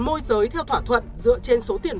môi giới theo thỏa thuận dựa trên số tiền